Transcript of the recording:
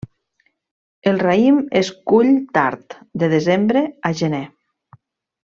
El raïm es cull tard, de desembre a gener.